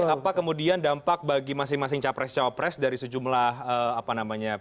apa kemudian dampak bagi masing masing capres capres dari sejumlah apa namanya